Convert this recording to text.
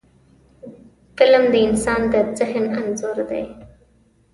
فلم د انسان د ذهن انځور دی